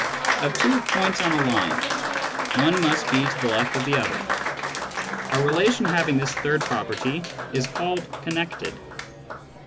Of two points on a line, one must be to the left of the other. A relation having this third property is called connected.